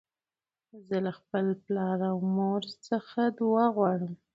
زه له خپل پلار او مور څخه دؤعا غواړم.